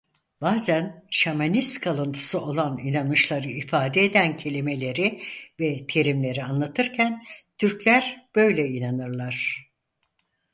Bazen Şamanist kalıntısı olan inanışları ifade eden kelimeleri ve terimleri anlatırken "Türkler böyle inanırlar.